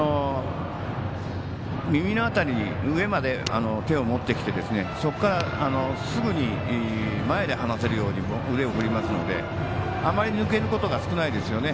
右の上の辺りにまで手を持ってきてそこからすぐに前で放せるように腕を振りますのであまり抜けることが少ないですね。